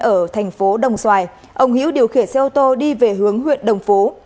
ở thành phố đồng xoài ông hiễu điều khỉ xe ô tô đi về hướng huyện đồng phố